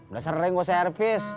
udah sering gue servis